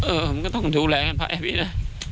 เออก็ต้องดูแลกันไปนะ